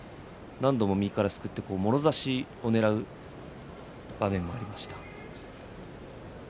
何度も右からすくってもろ差しをねらう場面がありましたね。